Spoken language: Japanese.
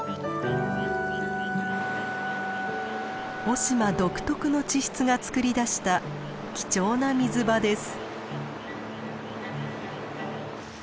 雄島独特の地質がつくり出した貴重な水場です。